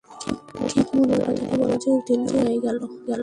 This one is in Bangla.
ঠিক মনের কথাটি বলার লগ্ন যে উত্তীর্ণ হয়ে গেল!